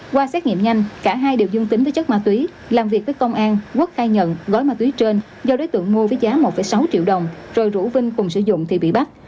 qua xét nghiệm nhanh cả hai đều dương tính với chất ma túy làm việc với công an quốc khai nhận gói ma túy trên do đối tượng mua với giá một sáu triệu đồng rồi rủ vinh cùng sử dụng thì bị bắt